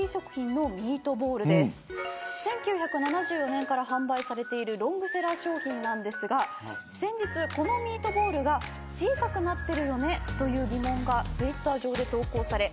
１９７４年から販売されているロングセラー商品なんですが先日このミートボールが小さくなっているよねという疑問がツイッター上で投稿され